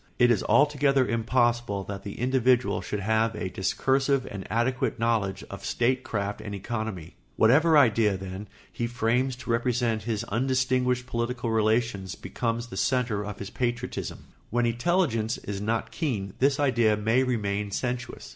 It is altogether impossible that the individual should have a discursive and adequate knowledge of statecraft and economy. Whatever idea, then, he frames to represent his undistinguished political relations becomes the centre of his patriotism. When intelligence is not keen this idea may remain sensuous.